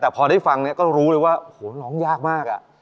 แต่พอได้ฟังเนี่ยก็รู้เลยว่าโอ้โหร้องยากมาก